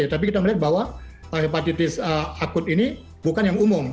tapi kita melihat bahwa hepatitis akut ini bukan yang umum